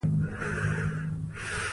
خیال د شعر له مهمو عنصرو څخه دئ.